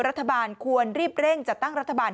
รัฐบาลควรรีบเร่งจัดตั้งรัฐบาล